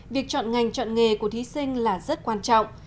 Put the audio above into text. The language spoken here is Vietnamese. việc chọn ngành chọn nghề của thí sinh là rất quan trọng